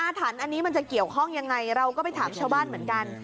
ถันอันนี้มันจะเกี่ยวข้องยังไงเราก็ไปถามชาวบ้านเหมือนกัน